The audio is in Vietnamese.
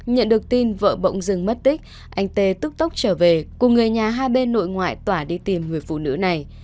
nhận được tin vợ bỗng dừng mất tích anh t tức tốc trở về cùng người nhà hai bên nội ngoại tỏa đi tìm người phụ nữ này